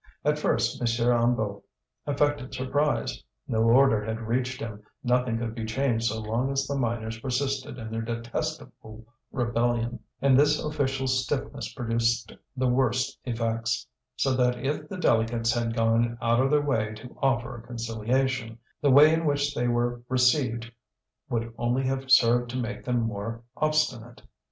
At first M. Hennebeau affected surprise: no order had reached him, nothing could be changed so long as the miners persisted in their detestable rebellion; and this official stiffness produced the worst effects, so that if the delegates had gone out of their way to offer conciliation, the way in which they were received would only have served to make them more obstinate.